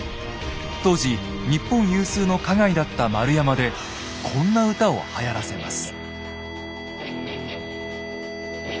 当時日本有数の花街だった丸山でこんな歌をはやらせます。